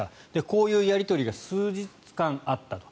こういうやり取りが数日間あったと。